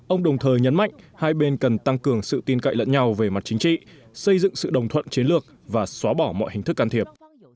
ông đồng thời nhấn mạnh hai bên cần tăng cường sự tin cậy lẫn nhau về mặt chính trị xây dựng sự đồng thuận chiến lược và xóa bỏ mọi hình thức can thiệp